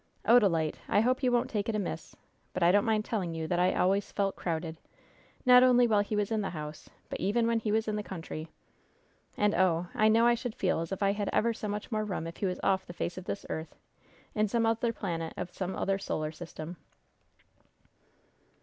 Odalite, I hope you won't take it amiss, but I don't mind telling you that I always felt crowded, not only while he was in the house, but even when he was in the country. And, oh, I know I should feel as if I had ever so much more room if he was off the face of this earth in some other planet of some other solar system."